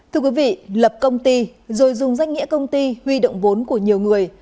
thưa quý vị lập công ty rồi dùng danh nghĩa công ty huy động vốn của nhiều người